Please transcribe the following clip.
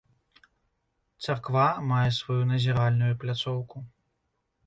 Царква мае сваю назіральную пляцоўку.